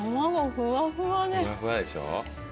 ふわふわでしょ。